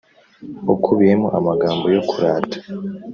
ukubiyemo amagambo yo kurata